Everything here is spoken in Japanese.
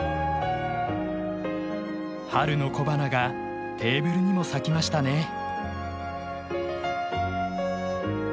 春の小花がテーブルにも咲きましたね。